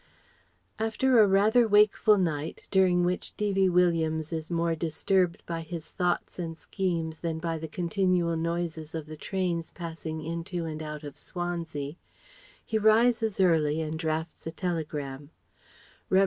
After a rather wakeful night, during which D.V. Williams is more disturbed by his thoughts and schemes than by the continual noises of the trains passing into and out of Swansea, he rises early and drafts a telegram: Revd.